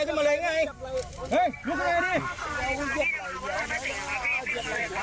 เก็บไหลของเมีย